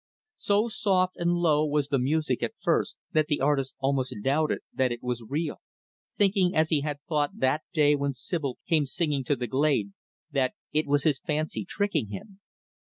So soft and low was the music, at first, that the artist almost doubted that it was real, thinking as he had thought that day when Sibyl came singing to the glade that it was his fancy tricking him.